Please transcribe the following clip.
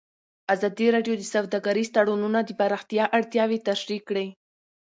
ازادي راډیو د سوداګریز تړونونه د پراختیا اړتیاوې تشریح کړي.